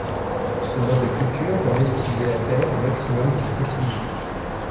Ce mode de culture permet d'utiliser la terre au maximum de ses possibilités.